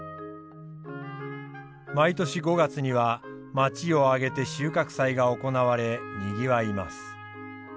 毎年５月には町を挙げて収穫祭が行われにぎわいます。